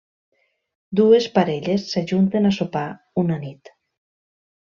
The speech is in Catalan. Dues parelles s'ajunten a sopar una nit.